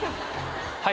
はい。